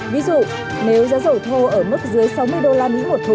ví dụ nếu giá dầu thô ở mức dưới sáu mươi